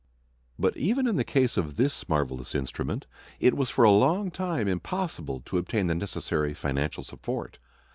But even in the case of this marvelous instrument it was for a long time impossible to obtain the necessary financial support.